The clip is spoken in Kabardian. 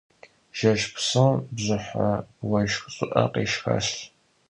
Jjeş psom bjıhe vueşşx şı'e khêşşxaş.